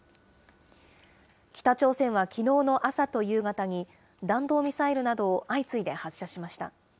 北朝鮮はきのうの朝と夕方に、弾道ミサイルなどを相次いで発射しました。